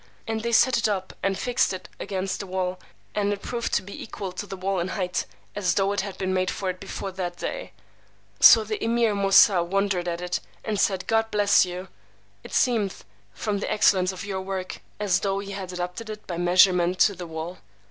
And they set it up and fixed it against the wall, and it proved to be equal to the wall in height, as though it had been made for it before that day. So the Emeer Moosà wondered at it, and said, God bless you! It seemeth, from the excellence of your work, as though ye had adapted it by measurement to the wall.